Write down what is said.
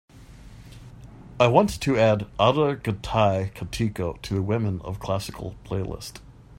I want to add Ottagathai Kattiko to the women of classical playlist.